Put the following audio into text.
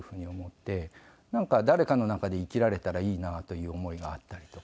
なんか誰かの中で生きられたらいいなという思いがあったりとか。